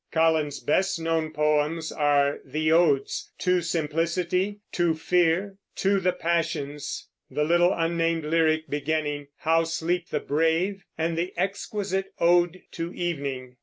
Collins's best known poems are the odes "To Simplicity," "To Fear," "To the Passions," the little unnamed lyric beginning "How sleep the brave," and the exquisite "Ode to Evening."